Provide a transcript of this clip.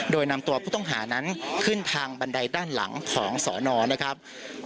โดยนำตัวผู้ต้องหานั้นขึ้นทางบันไดด้านหลังของสอนอนะครับ